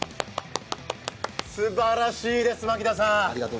すばらしいです、牧田さん。